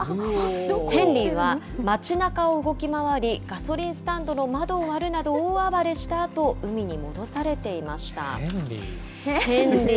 ヘンリーは、街なかを動き回り、ガソリンスタンドの窓を割るなど、大暴れしたあと、海に戻されていヘンリー。